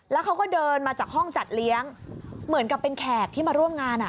แล้วเขาก็เดินมาจากห้องจัดเลี้ยงเหมือนกับเป็นแขกที่มาร่วมงาน